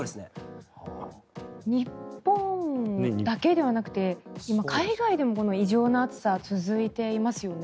日本だけではなくて今、海外でもこの異常な暑さ続いていますよね。